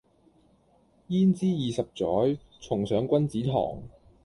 焉知二十載，重上君子堂。